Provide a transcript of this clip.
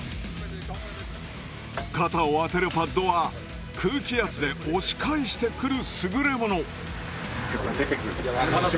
肩を当てるパッドは空気圧で押し返してくる優れもの。